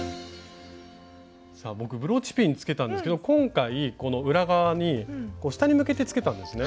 僕ブローチピンつけたんですけど今回この裏側に下に向けてつけたんですね。